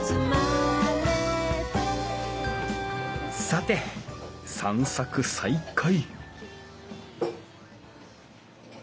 さて散策再開